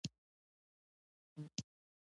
د ګاونډي کور ته بې اجازې مه ګوره